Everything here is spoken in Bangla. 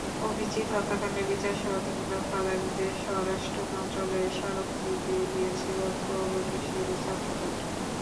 অভিজিৎ হত্যাকাণ্ডের বিচারসহ তিন দফা দাবিতে স্বরাষ্ট্র মন্ত্রণালয়ে স্মারকলিপি দিয়েছে প্রগতিশীল ছাত্রজোট।